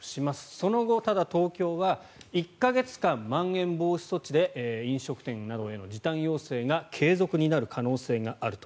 その後、ただ東京は１か月間、まん延防止措置で飲食店などへの時短要請が継続になる可能性があると。